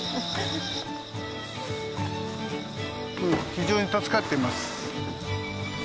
非常に助かってます。